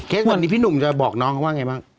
วันนี้พี่หนุ่มจะบอกน้องเขาว่าไงบ้าง